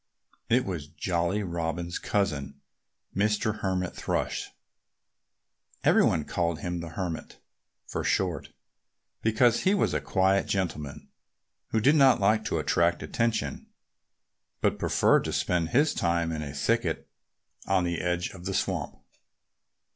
It was Jolly Robin's cousin, Mr. Hermit Thrush. Everybody called him "the Hermit" for short, because he was a quiet gentleman, who did not like to attract attention, but preferred to spend his time in a thicket on the edge of the swamp.